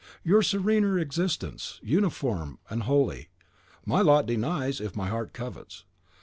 Your serener existence, uniform and holy, my lot denies, if my heart covets.